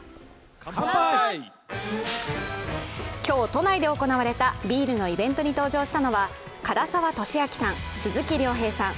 今日、都内で行われたビールのイベントに登場したのは唐沢寿明さん、鈴木亮平さん